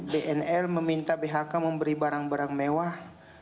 bnl meminta bhk memberi barang barang mewah